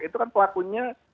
itu kan pelakunya